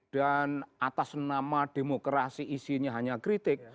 dan atas nama demokrasi isinya hanya kritik